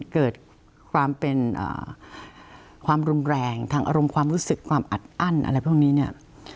เกิดความเป็นความรุนแรงทางอารมณ์ความรู้สึกความอัดอั้นอะไรพวกนี้เนี่ย